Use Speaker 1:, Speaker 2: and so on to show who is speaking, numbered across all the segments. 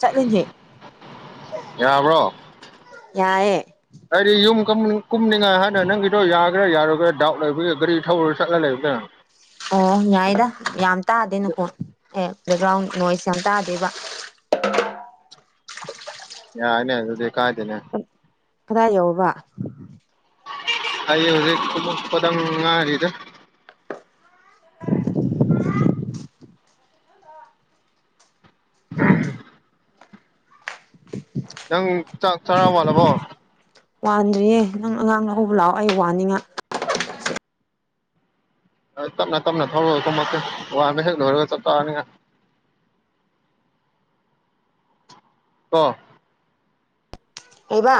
Speaker 1: ꯆꯠꯂꯤꯅꯦ
Speaker 2: ꯌꯥꯕ꯭ꯔꯣ
Speaker 1: ꯌꯥꯏꯌꯦ
Speaker 2: ꯑꯩꯗꯤ ꯌꯨꯝ ꯀꯨꯝꯅꯤꯡꯉꯥꯏ ꯍꯥꯏꯥꯟꯅ ꯅꯪꯒꯤꯗꯣ ꯈꯔ ꯌꯥꯔꯣꯏꯒꯔ ꯗꯥꯎꯠ ꯂꯩꯕꯒ ꯒꯥꯔꯤ ꯊꯧꯔꯨꯔꯒ ꯆꯠꯂ ꯂꯩꯕ ꯀꯅ
Speaker 1: ꯑꯣ ꯌꯥꯏꯗ ꯌꯥꯝ ꯇꯥꯗꯦ ꯅꯨꯈꯣꯟ ꯑꯦ ꯕꯦꯛꯒ꯭ꯔꯥꯎꯟ ꯅꯣꯏꯁ ꯌꯥꯝ ꯇꯥꯗꯦꯕ
Speaker 2: ꯌꯥꯅꯦ ꯑꯗꯨꯗꯤ ꯀꯥꯗꯦꯅꯦ
Speaker 1: ꯀꯗꯥꯏ ꯌꯎꯕ
Speaker 2: ꯑꯩ ꯍꯧꯖꯤꯛ ꯄꯗꯪꯔꯤꯗ
Speaker 1: [unintelligible] [unintelligible]
Speaker 2: ꯅꯪ ꯆꯥꯛ ꯆꯥꯔꯛ ꯆꯥꯔꯥ ꯋꯥꯟꯂꯕꯣ
Speaker 1: ꯋꯥꯟꯗ꯭ꯔꯤꯌꯦ ꯅꯪ ꯑꯉꯥꯡꯅ ꯂꯧꯕ ꯂꯥꯛꯑꯣ ꯑꯩ ꯋꯥꯅꯤꯉꯥꯏ
Speaker 2: ꯇꯞꯅ ꯇꯞꯅ ꯊꯧꯔꯒ ꯀꯨꯝꯃꯛꯀꯦ ꯋꯥꯟꯕ ꯍꯦꯛ ꯂꯣꯏꯔꯒ ꯆꯞ ꯆꯥꯔꯅꯤꯅ ꯑꯣ
Speaker 1: ꯀꯩꯕ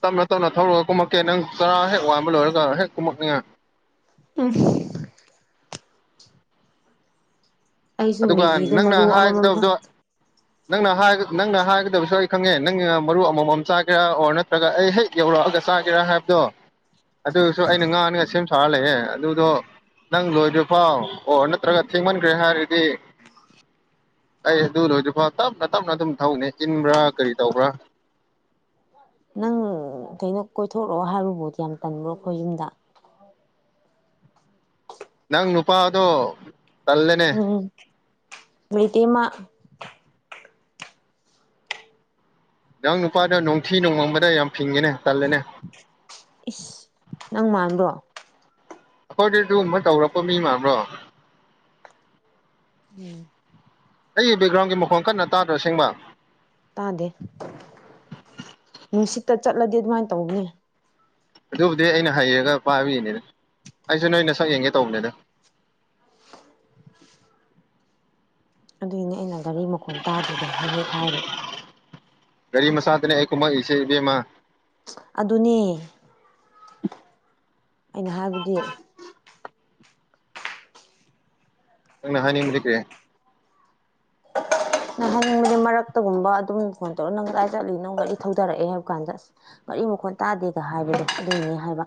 Speaker 2: ꯇꯞꯅ ꯇꯞꯅ ꯊꯧꯔꯒ ꯀꯨꯝꯃꯛꯀꯦ ꯅꯪ ꯆꯔꯥ ꯍꯦꯛ ꯋꯥꯡꯕ ꯂꯣꯏꯔꯒ ꯍꯦꯛ ꯀꯨꯝꯃꯛꯅꯤꯉꯥꯏ
Speaker 1: ꯎꯝ ꯑꯩꯁꯨ
Speaker 2: ꯑꯗꯨꯒ
Speaker 1: ꯃꯦꯒꯤꯗꯣ ꯃꯔꯨ
Speaker 2: ꯅꯪꯅ
Speaker 1: ꯑꯃꯃꯝꯒ
Speaker 2: ꯍꯥꯏꯒꯗꯕꯗꯣ ꯅꯪꯅ ꯅꯪꯅ ꯍꯥꯏꯒꯗꯕꯁꯨ ꯑꯩ ꯈꯪꯉꯦ ꯅꯪꯅ ꯃꯔꯨ ꯑꯃꯃꯝ ꯆꯥꯒꯦꯔꯥ ꯑꯣꯔ ꯅꯠꯇ꯭ꯔꯒ ꯑꯩ ꯍꯦꯛ ꯌꯧꯔꯛꯑꯒ ꯆꯥꯒꯦꯔꯥ ꯍꯥꯏꯕꯗꯣ ꯑꯗꯨꯁꯨ ꯑꯩꯅ ꯉꯥꯡꯅꯕ ꯁꯦꯝ ꯁꯥꯔ ꯂꯩꯑꯦ ꯑꯗꯨꯗꯣ ꯅꯪ ꯂꯣꯏꯗ꯭ꯔꯤꯐꯥꯎ ꯑꯣ ꯅꯠꯇ꯭ꯔꯒ ꯊꯦꯡꯃꯟꯈ꯭ꯔꯦ ꯍꯥꯏꯔꯤ ꯍ ꯑꯩ ꯑꯗꯨ ꯂꯣꯏꯗ꯭ꯐ ꯇꯞꯅ ꯇꯞꯅ ꯑꯗꯨꯝ ꯊꯧꯅꯦ ꯏꯟꯕ꯭ꯔꯥ ꯀꯔꯤ ꯇꯧꯕ꯭ꯔꯥ
Speaker 1: ꯅꯪ ꯀꯩꯅꯣ ꯀꯣꯏꯊꯣꯛꯛꯑꯣ ꯍꯥꯏꯔꯨꯕꯨꯗꯤ ꯌꯥꯝ ꯇꯟꯕ꯭ꯔꯣ ꯑꯩꯈꯣꯏ ꯌꯨꯝꯗ
Speaker 2: ꯅꯪ ꯅꯨꯄꯥꯗꯣ ꯇꯜꯂꯦꯅꯦ
Speaker 1: ꯇꯃ
Speaker 2: ꯅꯪ ꯅꯨꯄꯥꯗꯣ ꯅꯣꯡꯊꯤ ꯅꯣꯡꯃꯕꯗ ꯌꯥꯝ ꯐꯤꯡꯉꯦꯅꯦ ꯇꯜꯂꯦꯅꯦ
Speaker 1: ꯏꯁ ꯅꯪ ꯃꯥꯟꯕꯣ
Speaker 2: ꯑꯩꯈꯣꯏꯗꯤ ꯑꯗꯨꯨꯝꯕ ꯇꯧꯔꯛꯄ ꯃꯤ ꯃꯥꯟꯕ꯭ꯔꯣ
Speaker 1: ꯎꯝ
Speaker 2: ꯑꯩꯒꯤ ꯕꯦꯛꯒ꯭ꯔꯥꯎꯟꯒꯤ ꯃꯈꯣꯡꯣꯟ ꯀꯟꯅ ꯇꯥꯗ꯭ꯔꯣ ꯁꯦꯡꯕ
Speaker 1: ꯇꯥꯗꯦ ꯅꯨꯡꯁꯤꯠꯇ ꯆꯠꯂꯗꯤ ꯑꯗꯨꯃꯥꯏꯅ ꯇꯧꯕꯅꯦ
Speaker 2: ꯑꯗꯨꯕꯨꯗꯤ ꯑꯩꯅ ꯍꯩꯔꯒ ꯄꯥꯕꯤꯅꯦꯗ ꯑꯩꯁꯨ ꯅꯣꯏꯅ ꯁꯛ ꯌꯦꯡꯒꯦ ꯇꯧꯕꯅꯦꯗ
Speaker 1: ꯑꯗꯨꯏꯅꯦ ꯑꯩꯅ ꯒꯥꯔꯤ ꯃꯈꯣꯟꯜ ꯇꯥꯗꯣꯏꯗꯦ ꯍꯦꯛ ꯍꯦꯛ ꯍꯥꯏꯔꯦꯗ
Speaker 2: ꯒꯥꯔꯤ ꯃꯆꯥꯥꯗꯅꯦ ꯑꯩ ꯀꯨꯝꯃꯛ ꯏꯁꯦ ꯏꯕꯦꯝꯃ
Speaker 1: ꯑꯗꯨꯅꯦ ꯑꯩꯅ ꯍꯥꯏꯕꯗꯤ
Speaker 2: ꯅꯪꯅ ꯍꯥꯏꯅꯤꯡꯕ ꯂꯩꯒ꯭ꯔꯦ
Speaker 1: ꯅꯍꯪꯒꯤ ꯃꯔꯛꯇꯒꯨꯝꯕ ꯑꯗꯨꯝ ꯐꯣꯟ ꯇꯧꯔꯒ ꯅꯪ ꯀꯗꯥꯥꯏ ꯆꯠꯂꯤ ꯅꯪꯒ ꯑꯩ ꯊꯧꯗꯔꯛꯑꯦ ꯍꯥꯏꯕ ꯀꯥꯟꯗ ꯑꯁ ꯃꯔꯤ ꯃꯈꯣꯟ ꯇꯥꯗꯦꯒ ꯍꯥꯏꯕꯗꯣ ꯑꯗꯨꯅꯦ ꯍꯥꯏꯕ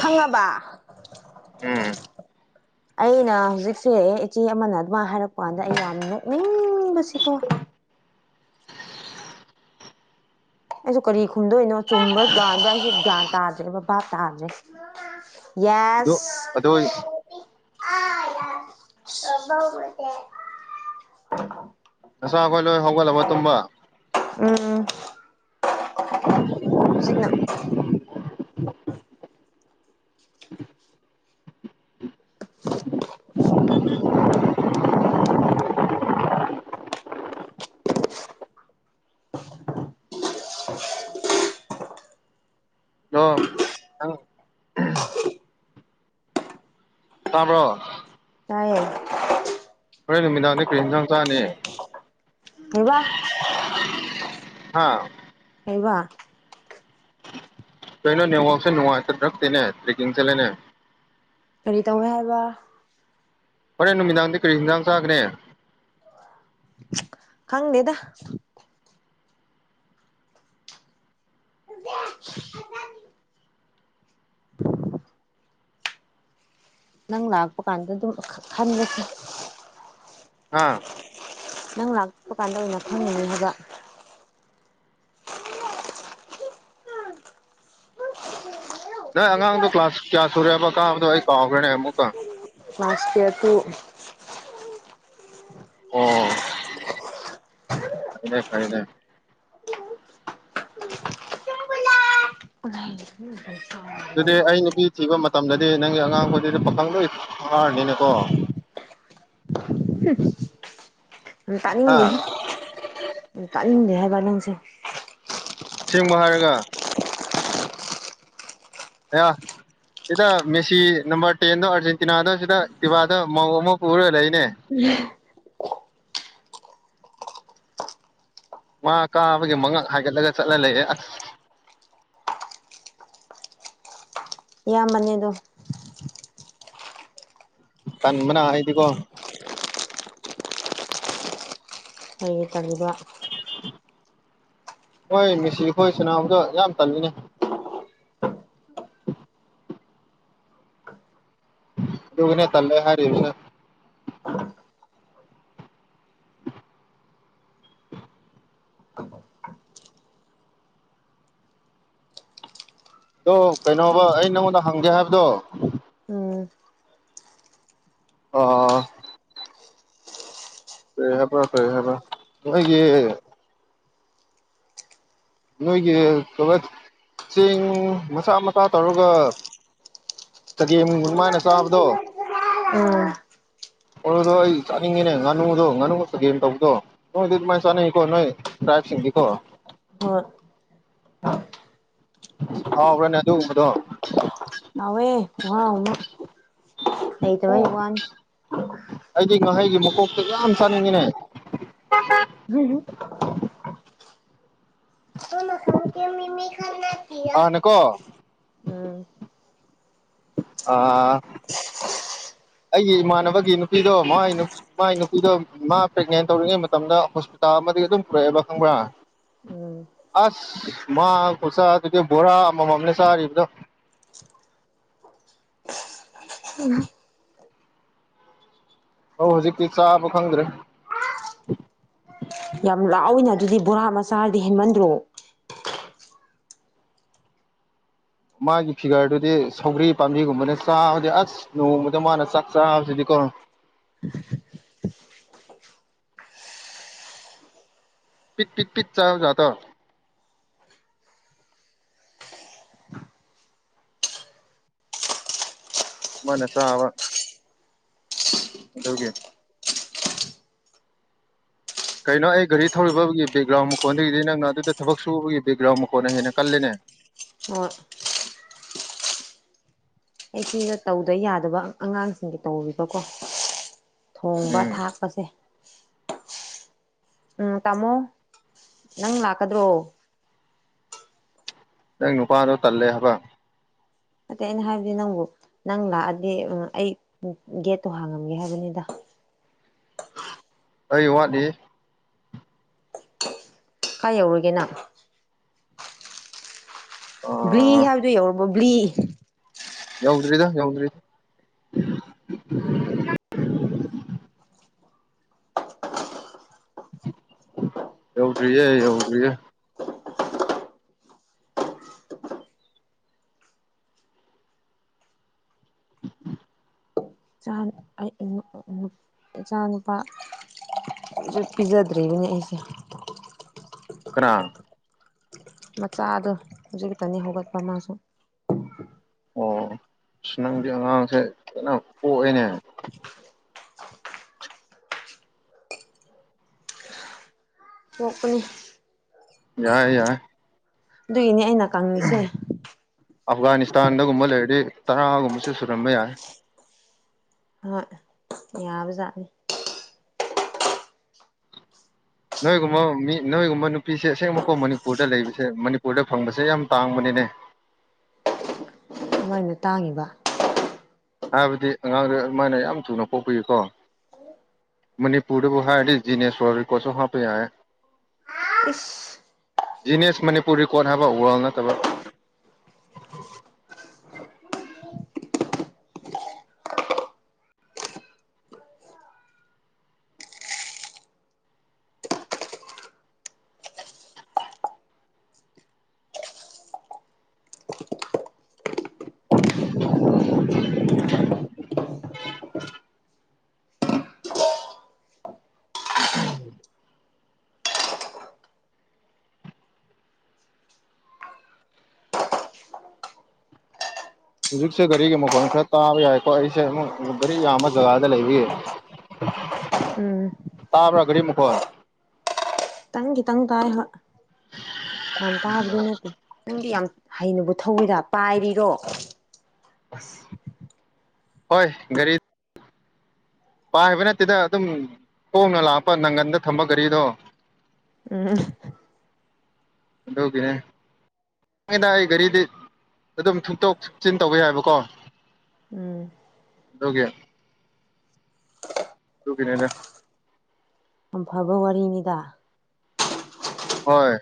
Speaker 1: ꯈꯪꯉꯕ
Speaker 2: ꯎꯝ
Speaker 1: ꯑꯩꯅ ꯍꯧꯖꯤꯛꯁꯦ ꯏꯆꯦ ꯑꯃꯅ ꯑꯗꯨꯃꯥꯏ ꯍꯥꯏꯔꯛꯄ ꯀꯥꯟꯗ ꯑꯩ ꯌꯥꯝ ꯅꯣꯛꯅꯤꯡꯕꯁꯤꯀꯣ ꯑꯩꯁꯨ ꯀꯔꯤ ꯈꯨꯝꯗꯣꯏꯅꯣ ꯆꯨꯝꯕ꯭ꯔꯥ ꯂꯥꯟꯕ꯭ꯔꯥ ꯑꯩꯁꯨ ꯒ꯭ꯌꯥꯟ ꯇꯥꯗ꯭ꯔꯦ ꯕꯕꯥ ꯇꯥꯗ꯭ꯔꯦ
Speaker 2: ꯑꯗꯨ ꯑꯗꯨ
Speaker 1: ꯌꯥꯁ ꯑ ꯌꯥꯦ [unintelligible]
Speaker 2: ꯅꯆꯥꯥ ꯈꯈꯣꯏ ꯂꯣꯏ ꯍꯧꯒꯠꯂꯕ ꯇꯨꯝꯕ
Speaker 1: ꯎꯝ ꯍꯧꯖꯤꯛꯅ
Speaker 2: [unintelligible]
Speaker 1: [unintelligible]
Speaker 2: [unintelligible]
Speaker 1: [unintelligible]
Speaker 2: ꯑꯣꯪ ꯇꯥꯕ꯭ꯔꯣ
Speaker 1: ꯇꯌꯦꯟ
Speaker 2: ꯍꯣꯔꯦꯟ ꯅꯨꯃꯤꯗꯥꯡꯅꯤ ꯀꯔꯤ ꯍꯟꯖꯥꯡ ꯆꯥꯅꯤ
Speaker 1: ꯏꯕꯥ
Speaker 2: ꯍꯥ
Speaker 1: ꯍꯕꯥ
Speaker 2: ꯀꯩꯅꯣ ꯅꯦꯠꯋꯥꯛꯁꯦ ꯅꯨꯡꯉꯥꯏꯇ꯭ꯔꯛꯇꯦꯅꯦ ꯇ꯭ꯔꯦꯛꯀꯤꯡ ꯆꯠꯂꯦꯅꯦ
Speaker 1: ꯀꯔꯤ ꯇꯧꯋꯦ ꯍꯥꯏꯕ
Speaker 2: ꯐꯣꯔꯦ ꯅꯨꯃꯤꯗꯥꯡꯗꯤ ꯀꯔꯤ ꯅꯨꯡꯗꯥꯡ ꯆꯥꯒꯦ
Speaker 1: ꯈꯪꯪꯗꯦꯗ [unintelligible] ꯅꯪ ꯂꯥꯛꯄ ꯀꯥꯟꯗ ꯑꯗꯨꯝ ꯈꯟꯂꯁꯤ
Speaker 2: ꯍꯥꯥ
Speaker 1: ꯅꯪ ꯂꯥꯛꯄ ꯀꯥꯟꯗ ꯑꯣꯏꯅ ꯈꯪꯉꯅꯤ ꯍꯥꯏꯕ
Speaker 2: ꯅꯪ ꯑꯉꯥꯡꯗꯣ ꯀ꯭ꯂꯥꯁ ꯀꯌꯥ ꯁꯨꯔꯦꯕ ꯀꯥꯕꯗꯣ ꯑꯩ ꯀꯥꯎꯈ꯭ꯔꯦꯅꯦ ꯑꯃꯨꯛꯀ
Speaker 1: ꯃꯥꯁꯀꯤꯌꯥ ꯇꯨ
Speaker 2: ꯑꯣ ꯐꯥꯏꯔꯦ ꯐꯥꯏꯔꯦ
Speaker 1: ꯌꯥꯝ ꯎ
Speaker 2: ꯑꯗꯨꯗꯤ ꯑꯩ ꯅꯨꯄꯤ ꯊꯤꯕ ꯃꯇꯝꯗꯗꯤ ꯅꯪꯒꯤ ꯑꯉꯥꯡꯈꯣꯏꯗꯗꯤ ꯄꯥꯈꯪꯗ ꯐꯥꯔꯅꯤꯅꯀꯣ
Speaker 1: [unintelligible] ꯑꯗꯨ
Speaker 2: ꯍꯥ
Speaker 1: ꯇꯥꯅꯤꯡꯗꯦ ꯇꯥꯅꯤꯡꯗꯦ ꯍꯥꯏꯕ ꯅꯪꯁꯦ
Speaker 2: ꯁꯦꯡꯕ ꯍꯥꯏꯔꯒ ꯌꯥ ꯁꯤꯗ ꯃꯦꯁꯤ ꯅꯝꯕꯔ ꯇꯦꯟꯗꯣ ꯑꯥꯔꯖꯦꯟꯇꯤꯅꯥꯗ ꯁꯤꯗ ꯇꯤꯕꯥꯗ ꯃꯧ ꯑꯃ ꯄꯨꯔꯒ ꯂꯩꯅꯦ
Speaker 1: ꯎꯝ
Speaker 2: ꯉ ꯀꯥꯕꯒꯤ ꯃꯉꯛ ꯍꯥꯏꯒꯠꯂꯒ ꯆꯠꯂ ꯂꯩꯌꯦꯦ ꯑꯁ
Speaker 1: ꯏꯌꯥꯝꯕꯅꯦ ꯑꯗꯣ
Speaker 2: ꯇꯟꯕꯅ ꯍꯥꯏꯗꯤꯀꯣ
Speaker 1: ꯀꯔꯤ ꯇꯧꯕ
Speaker 2: ꯍꯣꯏ ꯃꯤꯦꯁꯤ ꯍꯈꯣꯏ ꯁꯅꯥꯎꯝꯗꯣ ꯌꯥꯝ ꯇꯜꯂꯤꯅꯦ ꯂꯗꯨꯒꯅ ꯇꯂ ꯍꯥꯏꯔꯁ ꯑꯣ ꯀꯩꯅꯣꯕ ꯑꯩ ꯅꯪꯉꯣꯟꯗ ꯍꯪꯒꯦ ꯍꯥꯏꯕꯗꯣ
Speaker 1: ꯎꯝ
Speaker 2: ꯑꯣ ꯐꯔꯦ ꯍꯥꯏꯕ꯭ꯔꯣ ꯐꯔꯦ ꯍꯥꯏꯕ꯭ꯔ ꯅꯣꯏꯒꯤ ꯅꯣꯏꯒꯤ ꯀ ꯆꯦꯡ ꯃꯆꯥ ꯃꯁꯆꯥ ꯇꯧꯔꯒ ꯆꯒꯦꯝ ꯑꯗꯨꯃꯥꯏꯅ ꯆꯥꯕꯗꯣ
Speaker 1: ꯎꯝ
Speaker 2: ꯑꯣꯗꯣ ꯑꯩ ꯆꯥꯠꯅꯤꯡꯉꯦꯅꯦ ꯉꯥꯅꯨꯗꯣ ꯉꯥꯅꯨ ꯆꯒꯦꯝ ꯇꯧꯕꯗꯣ ꯅꯨꯡ ꯑꯗꯨ ꯃꯥꯏꯁꯅ ꯀꯣ ꯅꯣꯏ ꯗ꯭ꯔꯥꯏꯞꯁꯤꯡꯗꯤ ꯀꯣ
Speaker 1: ꯍꯣꯏ
Speaker 2: ꯍꯥꯎꯕ꯭ꯔꯅꯦ ꯑꯗꯨꯒꯨꯝꯕꯗꯣ
Speaker 1: ꯍꯥꯎꯋꯦ ꯂꯩꯇꯕ ꯏ
Speaker 2: ꯑꯣ
Speaker 1: ꯋꯥꯅꯤ
Speaker 2: ꯑꯩꯗꯤ ꯉꯍꯩꯒꯤ ꯃꯀꯣꯛꯇ ꯌꯥꯝ ꯆꯥꯅꯤꯡꯉꯤꯅꯦ
Speaker 1: ꯎ ꯍꯅ ꯁꯪ ꯀ ꯃꯤꯃꯤ ꯈꯥꯟꯅ
Speaker 2: ꯑꯅꯦꯀꯣ
Speaker 1: ꯎꯝ
Speaker 2: ꯑ ꯑꯩꯒꯤ ꯏꯃꯥꯟꯅꯕꯒꯤ ꯅꯨꯄꯤꯗꯣ ꯃꯥꯥꯏꯅꯨ ꯃꯥꯏ ꯅꯨꯄꯤꯗꯣ ꯃꯥ ꯄ꯭ꯔꯦꯒꯅꯦꯟ ꯇꯧꯔꯤꯉꯩ ꯃꯇꯝꯗ ꯍꯣꯁꯄꯤꯇꯥꯜ ꯑꯃꯗꯤꯗꯒꯤ ꯑꯗꯨꯝ ꯄꯨꯔꯛꯑꯦꯕ ꯈꯪꯕ꯭ꯔꯥ
Speaker 1: ꯎꯝ
Speaker 2: ꯑꯁ ꯃꯥꯆꯥꯥ ꯑꯗꯨꯗꯤ ꯕꯣꯔꯥ ꯑꯃꯃꯝꯅ ꯆꯥꯔꯤꯕꯗꯣ ꯑ ꯍꯧꯖꯤꯛꯇꯤ ꯆꯥꯕ ꯈꯪꯗ꯭ꯔꯦ
Speaker 1: ꯌꯥꯝ ꯂꯥꯎꯏꯅ ꯑꯗꯨꯗꯤ ꯕꯣꯔꯥ ꯃꯆꯥꯔꯗꯤ ꯍꯦꯟꯃꯟꯗ꯭ꯔꯣ
Speaker 2: ꯃꯥꯒꯤ ꯐꯤꯒꯔꯗꯨꯗꯤ ꯁꯧꯒ꯭ꯔꯤ ꯄꯥꯝꯕꯤꯒꯨꯝꯕꯅꯦ ꯆꯥꯕꯗꯤ ꯑꯁ ꯅ ꯃꯗ ꯃꯥꯅꯁ ꯆꯥꯛꯆꯥꯗꯤ ꯄꯤꯛ ꯄꯤꯛ ꯄꯤꯛ ꯆꯥ ꯇꯣ ꯃꯅꯦ ꯆꯕ ꯒꯦ ꯀꯩꯅꯣ ꯑꯩ ꯒꯥꯔꯤ ꯊꯧꯔꯤꯕꯒꯤ ꯦꯛꯒ꯭ꯔꯥꯎꯟ ꯃꯈꯀꯣꯟꯗꯨꯗꯒꯤꯗꯤ ꯅꯪꯅ ꯑꯗꯨꯗ ꯊꯕꯛ ꯁꯨꯕꯒꯤ ꯕꯦꯛꯒ꯭ꯔꯥꯎꯟ ꯃꯈꯀꯣꯟꯅ ꯍꯦꯟꯅ ꯀꯜꯂꯤꯅꯦ
Speaker 1: ꯑꯣ ꯑꯩꯈꯣꯏꯅ ꯇꯧꯗ ꯌꯥꯗꯕ ꯑꯉꯥꯡꯁꯤꯡꯒꯤ ꯇꯧꯔꯤꯕꯀꯣ ꯊꯣꯡꯕ
Speaker 2: ꯎꯝ
Speaker 1: ꯊꯥꯛꯄꯁꯦ ꯎꯝ ꯇꯥꯃꯣ ꯅꯪ ꯂꯥꯛꯀꯗ꯭ꯔꯣ
Speaker 2: ꯅꯪ ꯅꯨꯄꯥꯗꯣ ꯇꯜꯂꯦ ꯍꯥꯏꯕ
Speaker 1: ꯑꯇꯩ ꯑꯩꯅ ꯍꯥꯏꯕꯗꯤ ꯅꯪꯕꯨ ꯅꯪ ꯂꯥꯛꯑꯗꯤ ꯑꯩ ꯒꯦꯠꯇꯣ ꯍꯥꯡꯉꯝꯒꯦ ꯍꯥꯏꯕꯅꯤꯗ
Speaker 2: ꯑꯩ ꯋꯥꯠꯂꯤ
Speaker 1: ꯀꯥꯏ ꯌꯧꯔꯨꯒꯦꯅ ꯕ꯭ꯂꯤ
Speaker 2: ꯑꯥ
Speaker 1: ꯍꯥꯏꯕꯗꯨꯣ ꯌꯧꯔꯕꯣ ꯕ꯭ꯂꯤ
Speaker 2: ꯌꯎꯗꯔꯤꯗ ꯌꯎꯗ꯭ꯔꯤ ꯌꯎꯗ꯭ꯔꯤꯌꯦ ꯌꯎꯗ꯭ꯔꯤꯌꯦ ꯎꯝ ꯎꯝ
Speaker 1: ꯆꯥ ꯑꯩ ꯏꯆꯥ ꯅꯨꯄꯥ ꯄꯤꯖꯗ꯭ꯔꯤꯕꯅꯤ ꯑꯩꯁꯦ
Speaker 2: ꯀꯥꯡ
Speaker 1: ꯃꯆꯥꯗꯣ ꯍꯧꯖꯤꯛꯛꯇꯅꯤ ꯍꯧꯒꯠꯄ ꯃꯥꯁꯨ
Speaker 2: ꯑꯣ ꯁ ꯅꯪꯗꯤ ꯑꯉꯥꯡꯁꯦ ꯀꯅ ꯄꯣꯛꯏꯅꯦ
Speaker 1: ꯑꯣꯛꯄꯅꯤ
Speaker 2: ꯌꯥꯏ ꯌꯥꯏ
Speaker 1: ꯑꯗꯨꯏꯅꯦ ꯑꯩꯅ ꯀꯪꯉꯁꯦ
Speaker 2: ꯑꯐꯒꯥꯅꯤꯁꯇꯥꯟꯗꯒꯨꯝꯕ ꯂꯩꯔꯗꯤ ꯇꯔꯥꯒꯨꯝꯕꯁꯨ ꯁꯨꯔꯝꯕ ꯌꯥꯏ
Speaker 1: ꯍꯣꯏ ꯌꯥꯕꯖꯥꯠꯅꯤ
Speaker 2: ꯅꯣꯏꯒꯨꯝꯕ ꯃꯤ ꯅꯣꯏꯒꯨꯝꯕ ꯅꯨꯄꯤꯁꯦ ꯑꯁꯦꯡꯕꯀꯣ ꯃꯅꯤꯄꯨꯔꯗ ꯂꯩꯕꯁꯦ ꯃꯅꯤꯄꯨꯔꯗ ꯐꯪꯕꯁꯦ ꯌꯥꯝ ꯇꯥꯡꯕꯅꯤꯅꯦ
Speaker 1: ꯃꯣꯏꯅ ꯇꯥꯡꯉꯤꯕ
Speaker 2: ꯍꯥꯏꯕꯗꯤ ꯑꯉꯥꯡꯗ ꯑꯗꯨꯃꯥꯏꯅ ꯌꯥꯝ ꯊꯨꯅ ꯄꯣꯛꯄꯤꯌꯀꯣ ꯃꯅꯤꯄꯨꯔꯗꯕꯨ ꯍꯥꯏꯗꯤ ꯖꯤꯅꯦꯁꯣꯔꯔꯤꯀꯣꯁꯨ ꯍꯥꯞꯄ ꯌꯥꯦ
Speaker 1: ꯏꯁꯐ
Speaker 2: ꯖꯤꯅꯤꯌꯁ ꯃꯅꯤꯄꯨꯔ ꯔꯦꯀꯣꯔꯠ ꯍꯥꯏꯕ ꯋꯥꯔꯜ ꯅꯠꯇꯕ [unintelligible] ꯎꯝ ꯍꯧꯖꯤꯛꯁꯦ ꯒꯥꯔꯤꯒꯤ ꯃꯈꯣꯟꯜ ꯈꯔ ꯇꯥꯕ ꯌꯥꯏꯀꯣ ꯑꯩꯁꯦ ꯑꯃꯨꯛ ꯒꯥꯔꯤ ꯌꯥꯝꯕ ꯖꯒꯥꯗ ꯂꯩꯕꯤꯌꯦ
Speaker 1: ꯎꯝ
Speaker 2: ꯇꯥꯕ꯭ꯔꯒꯔꯤ ꯃꯈꯀꯔ
Speaker 1: ꯈꯤꯇꯪ ꯈꯤꯇꯪ ꯇꯥꯏꯕ ꯌꯥꯝ ꯇꯥꯕꯗꯤ ꯅꯠꯇꯦ ꯅꯪꯗꯤ ꯌꯥꯝ ꯍꯩꯅꯕꯨ ꯊꯧꯋꯤꯔ ꯄꯥꯏꯔꯤꯔꯣ
Speaker 2: ꯍꯣꯏ ꯔꯤ ꯄꯥꯏ ꯍꯥꯏꯕ ꯅꯠꯇꯦꯗ ꯑꯗꯨꯝ ꯀꯣꯡꯅ ꯂꯥꯛꯄ ꯅꯪꯒꯟꯗ ꯊꯝꯕ ꯒꯥꯔꯤꯗꯣ
Speaker 1: ꯎꯝ
Speaker 2: ꯍꯀꯦ ꯅꯪꯉꯅ ꯑꯩ ꯒꯥꯔꯤꯗꯤ ꯑꯗꯨꯝ ꯊꯨꯇꯣꯛ ꯊꯆꯤꯟ ꯇꯧꯕ ꯍꯥꯏꯏꯕꯀꯣ
Speaker 1: ꯎꯝ
Speaker 2: ꯗꯒꯦ ꯇ ꯀꯅꯦꯗ
Speaker 1: ꯑꯝꯐꯕ ꯋꯥꯔꯤꯅꯤꯗ
Speaker 2: ꯍꯣꯏ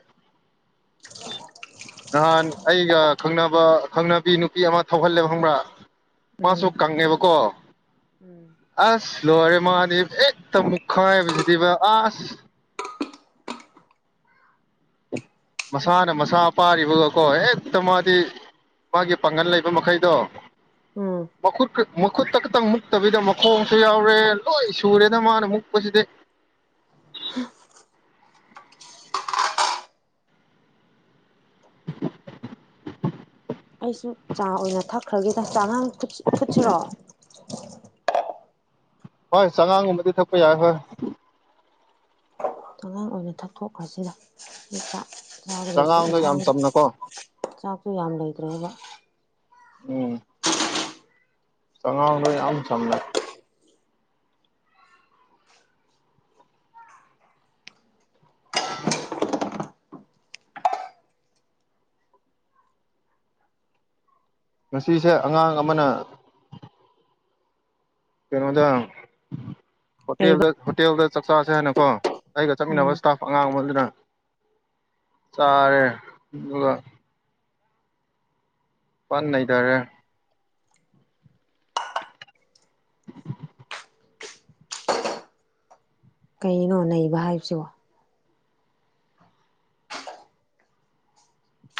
Speaker 2: ꯅꯍꯥꯟ ꯑꯩꯒ ꯈꯪꯅꯕ ꯈꯪꯅꯕꯤ ꯅꯨꯄꯤ ꯑꯃ ꯊꯧꯍꯜꯂꯦꯕ ꯈꯪꯕ꯭ꯔꯥ ꯃꯥꯁꯨ
Speaker 1: ꯎꯝ
Speaker 2: ꯀꯪꯉꯦꯕꯀꯣ
Speaker 1: ꯎꯝ
Speaker 2: ꯑꯁ ꯂꯣꯏꯔꯦ ꯃꯥꯅꯦ ꯍꯦꯛꯇ ꯑꯃꯨꯛ ꯈꯥꯏꯕꯁꯤꯗꯤꯕ ꯑꯁ ꯃꯁꯥꯅ ꯃꯁꯥ ꯄꯥꯔꯤꯕꯒꯀꯣ ꯍꯦꯛꯇ ꯃꯥꯗꯤ ꯃꯥꯒꯤ ꯄꯥꯡꯒꯜ ꯂꯩꯕ ꯃꯈꯩꯗꯣ
Speaker 1: ꯎꯝ
Speaker 2: ꯃꯈꯨꯠ ꯃꯈꯨꯠꯇ ꯈꯛꯇꯪ ꯃꯨꯛꯇꯕꯤꯗ ꯃꯈꯣꯡꯁꯨ ꯌꯥꯎꯔꯦ ꯂꯣꯏ ꯁꯨꯔꯦꯗ ꯃꯥꯅ ꯃꯨꯛꯄꯁꯤꯗꯤ
Speaker 1: ꯑꯩꯁꯨ ꯆꯥ ꯑꯣꯏꯅ ꯊꯛꯈ꯭ꯔꯒꯦꯗ ꯆꯥꯉꯥꯡ ꯐꯨꯠꯁꯤꯔꯣꯑꯣ
Speaker 2: ꯍꯣꯏ ꯆꯉꯥꯡꯒꯨꯝꯕꯗꯤ ꯊꯛꯄ ꯌꯥꯏ ꯍꯣꯏ
Speaker 1: ꯑꯉꯥꯡ ꯑꯣꯏꯅ ꯊꯛꯊꯣꯛꯈ꯭ꯔꯁꯤꯗꯇꯥꯛ ꯌꯥꯥꯗ꯭ꯔꯕꯗꯨ
Speaker 2: ꯆꯉꯥꯡꯗꯣ ꯌꯥꯝ
Speaker 1: ꯌꯦꯟꯁꯥꯡꯗꯨ
Speaker 2: ꯆꯝꯅꯀꯣ
Speaker 1: ꯆꯥꯛꯁꯨ ꯌꯥꯝ ꯂꯩꯈ꯭ꯔꯦꯕ
Speaker 2: ꯎꯝ ꯑꯉꯥꯡꯗꯣꯏ ꯌꯥꯝ ꯁꯝꯅ ꯉꯁꯤꯁꯦ ꯑꯉꯥꯡ ꯑꯃꯅ ꯀꯩꯅꯣꯗ ꯍꯣꯇ
Speaker 1: ꯂꯩꯕ
Speaker 2: ꯍꯣꯇꯦꯜꯗ ꯆꯥꯛ ꯆꯥꯁꯦ ꯍꯥꯏꯥꯟꯅꯀꯣ ꯑꯩꯒ ꯆꯠꯃꯤꯟꯅꯕ
Speaker 1: ꯎꯝ
Speaker 2: ꯏꯁꯇꯥꯐ ꯑꯉꯥꯡ ꯑꯃꯗꯨꯅ ꯆꯔꯦ ꯑꯗꯨꯒ ꯄꯥꯟ ꯅꯩꯊꯔꯦ
Speaker 1: ꯀꯩꯅꯣ ꯅꯩꯕ ꯍꯥꯏꯕꯁꯤꯕꯣ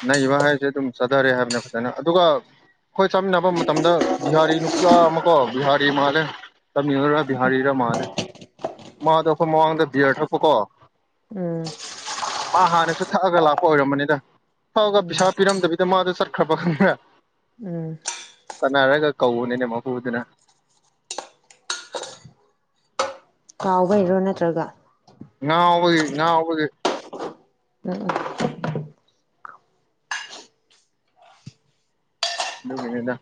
Speaker 2: ꯅꯩꯕ ꯍꯥꯏꯁꯦ ꯑꯗꯨꯝ ꯆꯥꯊꯔꯦ ꯍꯥꯏꯕꯅꯦ ꯐꯖꯅ ꯑꯗꯨꯒ ꯑꯩꯈꯣꯏ ꯆꯥꯃꯤꯟꯅꯕ ꯃꯇꯝꯗ ꯕꯤꯍꯥꯔꯤ ꯅꯨꯄꯤꯌꯥ ꯑꯃ ꯀꯣ ꯕꯤꯍꯥꯔꯤ ꯃꯥꯜꯂꯦ ꯇꯝꯃꯤ ꯕꯤꯍꯥꯔꯥ ꯃꯥꯜꯂꯦ ꯃꯥꯗꯣ ꯑꯩꯈꯣꯏ ꯃꯃꯥꯡꯗ ꯕꯤꯌꯔ ꯊꯛꯄꯀꯣ
Speaker 1: ꯎꯝ
Speaker 2: ꯃꯥ ꯍꯥꯟꯅꯁꯨ ꯊꯛꯑꯒ ꯂꯥꯛꯄ ꯑꯣꯏꯔꯝꯕꯅꯤꯗ ꯐꯥꯎꯒ
Speaker 1: ꯎꯝ
Speaker 2: ꯄꯩꯁꯥ ꯄꯤꯔꯝꯗꯕꯤꯗ ꯃꯥꯗꯣ ꯆꯠꯈ꯭ꯔꯕ ꯈꯪꯗ꯭ꯔꯦ
Speaker 1: ꯎꯝ
Speaker 2: ꯆꯥꯟꯅꯔꯒ ꯀꯎꯅꯤꯅꯦ ꯃꯄꯨꯗꯨꯅ
Speaker 1: ꯀꯥꯎꯕ ꯍꯩꯔꯣ ꯅꯠꯇ꯭ꯔꯒ
Speaker 2: ꯉꯅꯥꯎꯕꯒꯤ ꯉꯅꯥꯎꯕꯒꯤ
Speaker 1: ꯎꯝ ꯎꯝ
Speaker 2: ꯑꯗꯨꯒꯗ